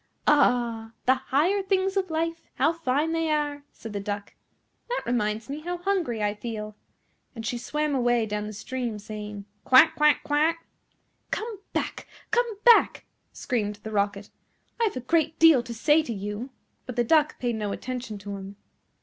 "Ah! the higher things of life, how fine they are!" said the Duck; "and that reminds me how hungry I feel:" and she swam away down the stream, saying, "Quack, quack, quack." "Come back! come back!" screamed the Rocket, "I have a great deal to say to you;" but the Duck paid no attention to him.